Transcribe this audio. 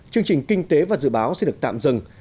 chương trình và dự báo sẽ được tạm dừng